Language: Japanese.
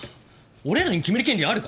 俺らに決める権利あるか？